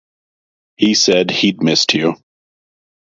He said he’d missed you.